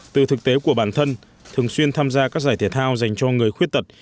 từ thực tế của bản thân thường xuyên tham gia các giải thể thao dành cho người khuyết tật